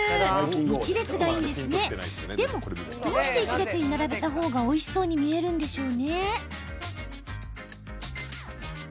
でも、どうして１列に並べた方がおいしそうに見えるんでしょう？